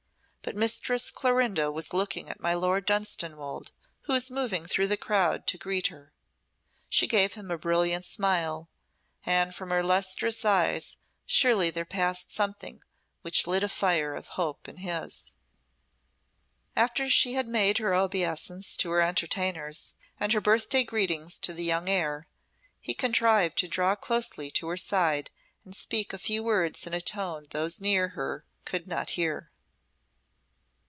But Mistress Clorinda was looking at my Lord of Dunstanwolde, who was moving through the crowd to greet her. She gave him a brilliant smile, and from her lustrous eyes surely there passed something which lit a fire of hope in his. After she had made her obeisance to her entertainers, and her birthday greetings to the young heir, he contrived to draw closely to her side and speak a few words in a tone those near her could not hear.